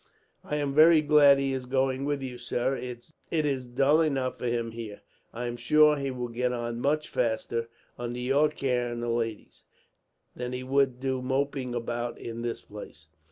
"I am very glad he is going with you, sir. It is dull enough for him here; and I am sure he will get on much faster, under your care and the ladies', than he would do moping about in this place."